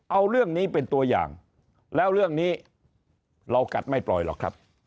เอาเรื่องนี้เป็นตัวอย่างแล้วเรื่องนี้เรากัดไม่ปล่อยหรอกครับ